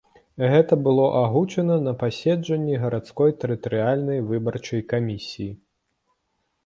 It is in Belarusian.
Гэта было агучана на паседжанні гарадской тэрытарыяльнай выбарчай камісіі.